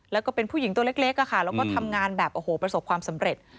แล้วก็เป็นผู้หญิงตัวเล็กแล้วก็ทำงานแบบโอ้โหประสบความสำเร็จ